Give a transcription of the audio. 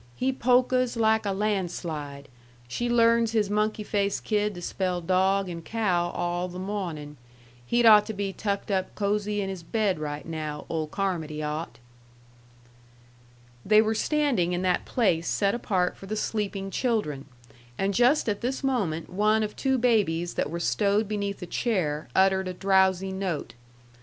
"He polkas like a landslide. She learns his monkey faced kid to spell dog and cow all the mawnin'. He'd ought to be tucked up cosey in his bed right now, old Carmody ought." They were standing in that place set apart for the sleeping children; and just at this moment one of two babies that were stowed beneath a chair uttered a drowsy note.